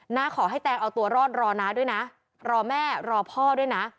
น้าขอให้แตงเอาตัวรอดรอน้าด้วยนะรอแม่รอพ่อด้วยนะ